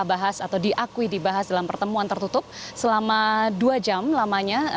kita bahas atau diakui dibahas dalam pertemuan tertutup selama dua jam lamanya